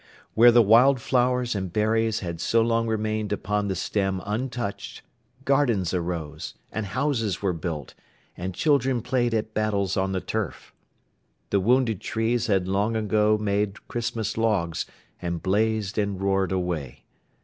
Where the wild flowers and berries had so long remained upon the stem untouched, gardens arose, and houses were built, and children played at battles on the turf. The wounded trees had long ago made Christmas logs, and blazed and roared away.